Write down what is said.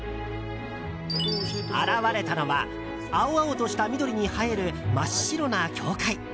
現れたのは青々とした緑に映える真っ白な教会。